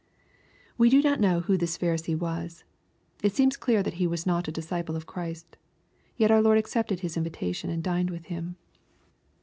] We do not know who this Pharisee was. It seems clear fhat he was not a disciple of Christ Yet our Lord accepted his invitation, and dined with him.